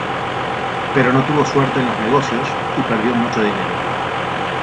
Pero no tuvo suerte en los negocios y perdió mucho dinero.